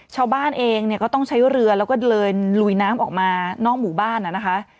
ชาวบ้านเองเนี่ยก็ต้องใช้เรือแล้วก็เดินลุยน้ำออกมานอกหมู่บ้านนะคะ